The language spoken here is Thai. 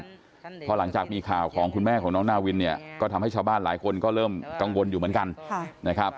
เพราะหลังจากมีข่าวของคุณแม่ของน้องนาวินเนี่ยก็ทำให้ชาวบ้านหลายคนก็เริ่มกังวลอยู่เหมือนกันนะครับ